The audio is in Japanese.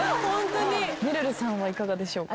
めるるさんはいかがでしょうか？